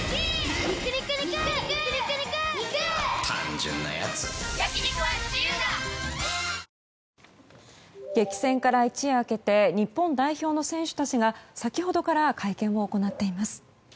丈夫なからだへ「養命酒」激戦から一夜明けて日本代表の選手たちが先ほどから会見を行っています。